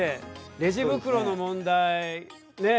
レジ袋の問題ねえ